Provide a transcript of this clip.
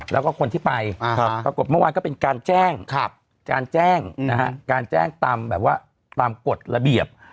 แล้วก็คนที่ไปปรากฏเมื่อวานก็เป็นการแจ้งตามกฎระเบียบ